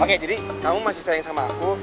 oke jadi kamu masih sayang sama aku